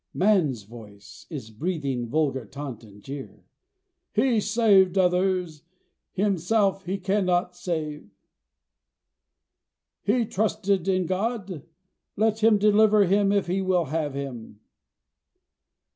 Man's voice is breathing vulgar taunt and jeer: "He saved others; himself he cannot save." "He trusted in God; let him deliver him if he will have him."